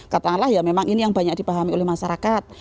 katakanlah ya memang ini yang banyak dipahami oleh masyarakat